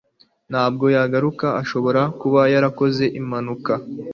Ntabwo aragaruka. Ashobora kuba yarakoze impanuka.